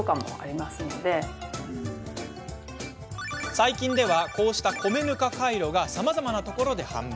最近ではこうした米ぬかカイロがさまざまなところで販売。